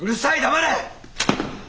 黙れ！